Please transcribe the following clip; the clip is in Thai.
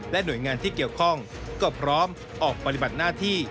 หน่วยงานที่เกี่ยวข้องก็พร้อมออกปฏิบัติหน้าที่